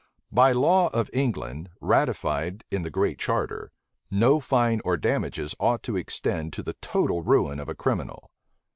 By the law of England, ratified in the Great Charter, no fine or damages ought to extend to the total ruin of a criminal.